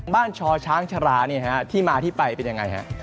บ้านช่อช้างฉลาที่มาที่ไปเป็นอย่างไรครับ